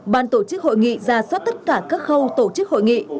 ban tổ chức hội nghị ra soát tất cả các khâu tổ chức hội nghị